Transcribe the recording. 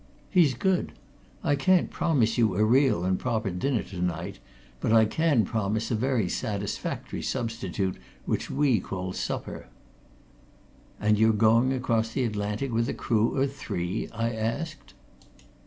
He's good I can't promise you a real and proper dinner tonight, but I can promise a very satisfactory substitute which we call supper." "And you're going across the Atlantic with a crew of three?" I asked.